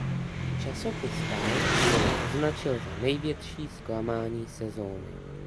Časopis Time jej označil za největší zklamání sezóny.